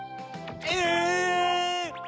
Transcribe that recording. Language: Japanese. え⁉